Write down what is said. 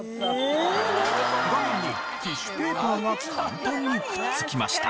画面にティッシュペーパーが簡単にくっつきました。